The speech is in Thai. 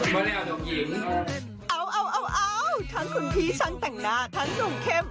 มาแล้วดอกหญิงเอาทั้งคุณพี่ช่างแต่งหน้าทั้งหนูเข้ม